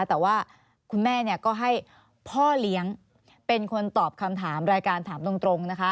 แต่ว่าคุณแม่ก็ให้พ่อเลี้ยงเป็นคนตอบคำถามรายการถามตรงนะคะ